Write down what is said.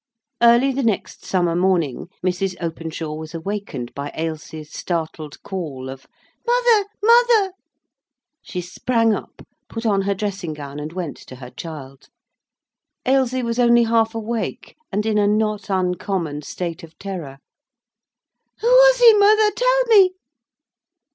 Early the next summer morning Mrs. Openshaw was awakened by Ailsie's startled call of "Mother! mother!" She sprang up, put on her dressing gown, and went to her child. Ailsie was only half awake, and in a not uncommon state of terror. "Who was he, mother? Tell me!"